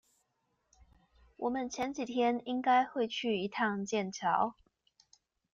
我們前幾天應該會去一趟劍橋